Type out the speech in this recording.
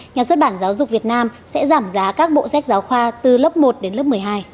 nhà xuất bản giáo dục việt nam sẽ giảm giá các bộ sách giáo khoa từ lớp một đến lớp một mươi hai